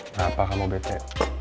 kenapa kamu bete